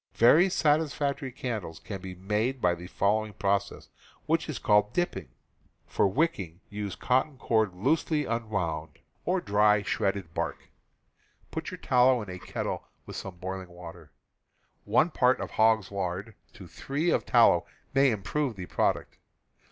Very satis factory candles can be made by the following process, which is called "dipping." For wicking, use cotton cord loosely unwound, or dry 298 CAMPING AND WOODCRAFT shredded bark. Put your tallow in a kettle with some boiling water. One part of hog's lard to three of tal low may improve the product.